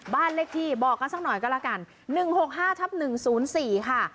บ้านเลขที่บอกกันสักหน่อยก็แล้วกัน๑๖๕ทับ๑๐๔ค่ะ